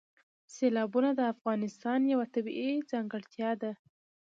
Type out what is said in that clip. سیلابونه د افغانستان یوه طبیعي ځانګړتیا ده.